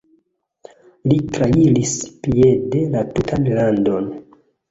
Li trairis piede la tutan landon.